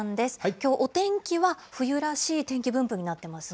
きょう、お天気は冬らしい天気分布になっていますね。